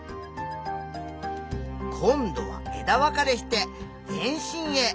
今度は枝分かれして全身へ。